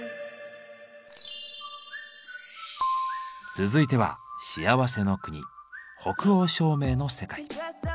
続いては幸せの国北欧照明の世界。